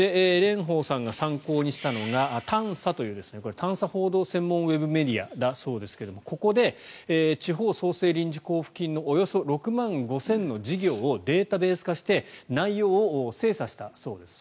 蓮舫さんが参考にしたのがＴａｎｓａという探査報道専門ウェブメディアだそうですがここで地方創生臨時交付金のおよそ６万５０００の事業をデータベース化して内容を精査したそうです。